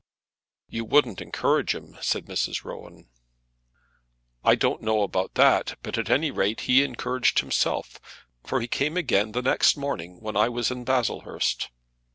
"You wouldn't encourage him," said Mrs. Rowan. "I don't know about that; but at any rate he encouraged himself, for he came again the next morning when I was in Baslehurst."